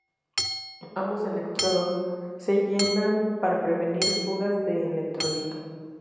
Ambos electrodos se sellan para prevenir fugas del electrolito.